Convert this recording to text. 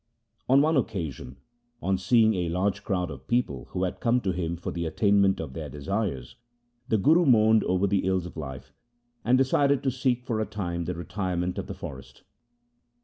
On one occasion, on seeing a large crowd of people who had come to him for the attainment of their desires, the Guru mourned over the ills of life, and decided to seek for a time the retirement of the forest.